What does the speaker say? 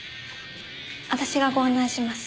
私がご案内します。